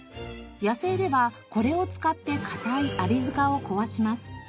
野生ではこれを使って硬いアリ塚を壊します。